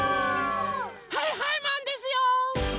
はいはいマンですよ！